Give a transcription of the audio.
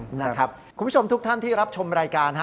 คุณผู้ชมทุกท่านที่รับชมรายการ